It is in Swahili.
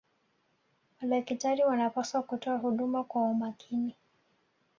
madakitari wanapaswa kutoa huduma kwa umakini